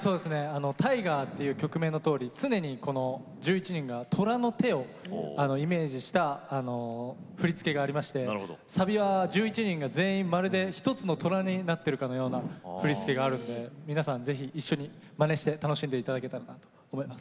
「Ｔｉｇｅｒ」っていう曲名のとおり常にこの１１人がトラの手をイメージした振り付けがありましてサビは１１人が全員まるで一つのトラになってるかのような振り付けがあるんで皆さん是非一緒にまねして楽しんでいただけたらなと思います。